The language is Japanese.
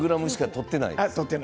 とっていない。